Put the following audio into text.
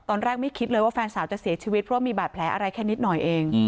ตอนแรกไม่คิดเลยว่าแฟนสาวจะเสียชีวิตเพราะมีบาดแผลอะไรแค่นิดหน่อยเอง